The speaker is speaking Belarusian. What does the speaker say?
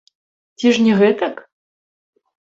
Ці ж не гэтак?